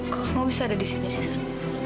kau mau bisa ada disini cesar